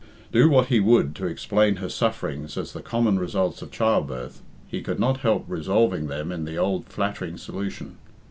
Do what he would to explain her sufferings as the common results of childbirth, he could not help resolving them in the old flattering solution.